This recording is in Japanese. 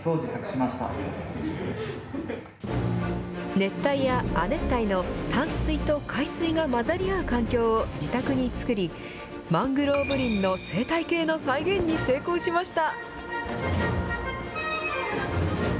熱帯や亜熱帯の淡水と海水が混ざり合う環境を自宅に作り、マングローブ林の生態系の再現に成功しました。